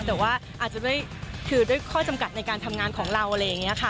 แต่ว่าอาจจะด้วยคือด้วยข้อจำกัดในการทำงานของเราอะไรอย่างนี้ค่ะ